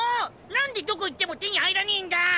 何でどこ行っても手に入らねえんだ！